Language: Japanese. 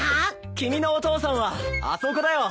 君のお父さんはあそこだよ。